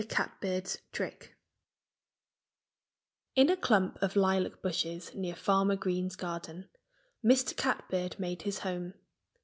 CATBIRD'S TRICK In a clump of lilac bushes near Farmer Green's garden Mr. Catbird made his home.